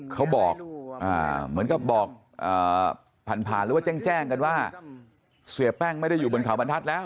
เขาบอกเหมือนกับบอกผ่านหรือว่าแจ้งกันว่าเสียแป้งไม่ได้อยู่บนเขาบรรทัศน์แล้ว